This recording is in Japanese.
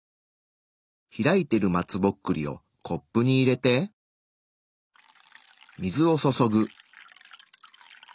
開いている松ぼっくりをコップに入れて水を注ぐ。